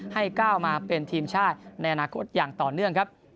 ก้าวมาเป็นทีมชาติในอนาคตอย่างต่อเนื่องครับ